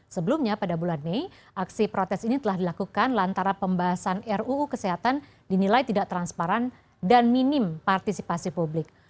sebelumnya pada bulan mei aksi protes ini telah dilakukan lantaran pembahasan ruu kesehatan dinilai tidak transparan dan minim partisipasi publik